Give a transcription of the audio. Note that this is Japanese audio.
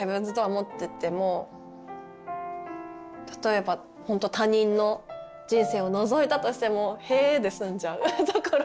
持ってても例えばほんと他人の人生をのぞいたとしてもへぇで済んじゃうところ。